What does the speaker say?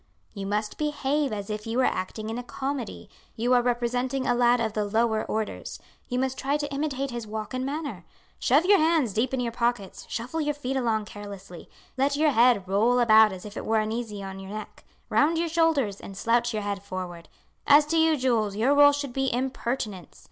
"You must behave as if you were acting in a comedy. You are representing a lad of the lower orders. You must try to imitate his walk and manner. Shove your hands deep in your pockets, shuffle your feet along carelessly; let your head roll about as if it were uneasy on your neck, round your shoulders, and slouch your head forward. As to you Jules, your role should be impertinence.